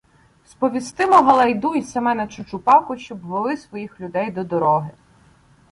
Сповістимо Галайду й Семена Чучупаку, щоб вели своїх людей до дороги.